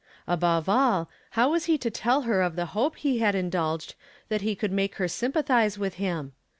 Above all, how was he to tell her of the hope he had indulged that he rould make her sympathize with him